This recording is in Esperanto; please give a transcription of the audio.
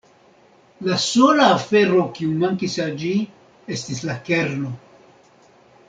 La sola afero, kiu mankis al ĝi, estis la kerno.